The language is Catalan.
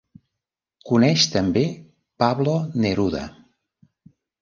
Coneix també Pablo Neruda.